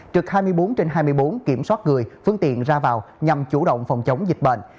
trực hai mươi bốn trên hai mươi bốn kiểm soát người phương tiện ra vào nhằm chủ động phòng chống dịch bệnh